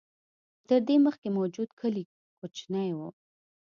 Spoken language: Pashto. تر دې مخکې موجود کلي کوچني و.